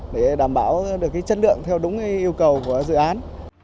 để đảm bảo được chất lượng theo đúng yêu cầu của dự án